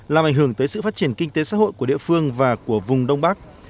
làm ảnh hưởng tới sự phát triển kinh tế xã hội của địa phương và của vùng đông bắc